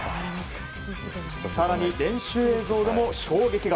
更に練習映像でも衝撃が。